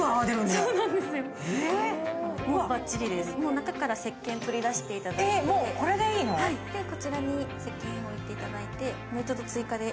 中からせっけん取りだしていただいて、こちらにせっけんを置いていただいて、追加で。